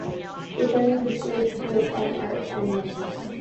She attended the Slade School of Fine Art in London.